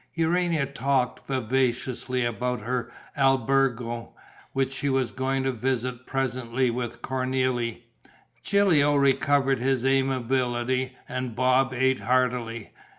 Urania talked vivaciously about her albergo, which she was going to visit presently with Cornélie, Gilio recovered his amiability and Bob ate heartily.